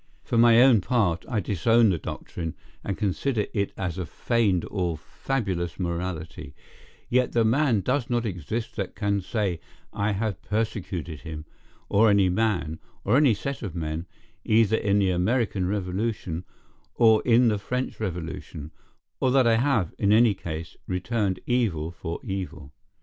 For my own part, I disown the doctrine, and consider it as a feigned or fabulous morality; yet the man does not exist that can say I have persecuted him, or any man, or any set of men, either in the American Revolution, or in the French Revolution; or that I have, in any case, returned evil for evil.